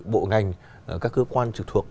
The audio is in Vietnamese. bộ ngành các cơ quan trực thuộc